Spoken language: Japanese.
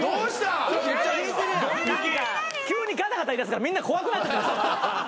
急にガタガタいいだすからみんな怖くなっちゃった。